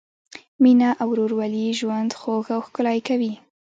مینه او ورورولي ژوند خوږ او ښکلی کوي.